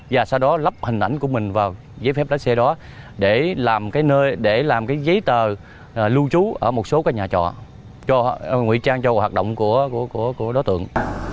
và sau đó lắp hình ảnh của mình vào giấy phép lái xe đó để làm cái giấy tờ lưu trú ở một số nhà trò nguy trang cho hoạt động của đối tượng